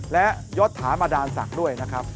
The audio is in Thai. และยศถามดาลศักดิ์ด้วยนะครับ